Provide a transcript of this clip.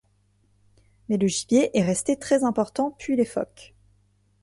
Mais le gibier est resté très important puis les phoques.